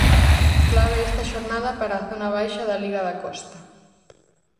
Clave esta xornada para a zona baixa da liga da Costa.